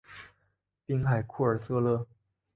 滨海库尔瑟勒。